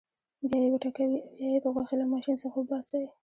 بیا یې وټکوئ او یا یې د غوښې له ماشین څخه وباسئ.